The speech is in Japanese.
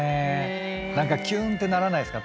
何かきゅんってならないっすか？